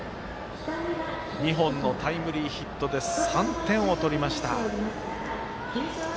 ２本のタイムリーヒットで３点を取りました。